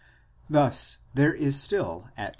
Thus there is still at v.